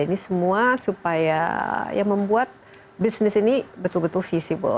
ini semua supaya ya membuat bisnis ini betul betul visible